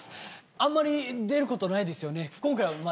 あんまり出ることないですよね？